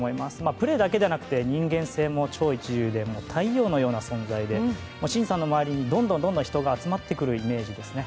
プレーだけでなく人間性も超一流で太陽のような存在で伸二さんの周りにどんどん人が集まってくるイメージですね。